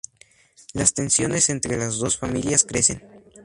Las tensiones entre las dos familias crecen.